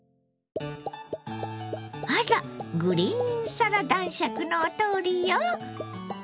あらグリーンサラ男爵のお通りよ。